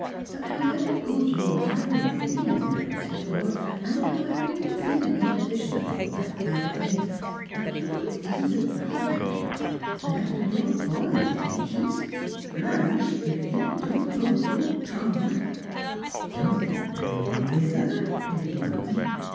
" But however good your family may be, you know, Mr. Forde, and however independent your position, and all that kind of thing, a curate isn't a viscount, you know; and after Lord Paulyn's attentions "" Blanche ! If you don't hold your tongue "" Don't be angry with her," pleaded Malcolm.